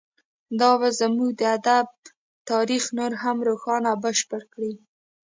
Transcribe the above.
دا به زموږ د ادب تاریخ نور هم روښانه او بشپړ کړي